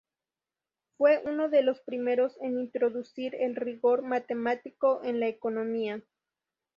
Fue uno de los primeros en introducir el rigor matemático en la economía.